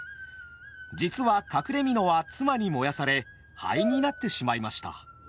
実は隠れ蓑は妻に燃やされ灰になってしまいました。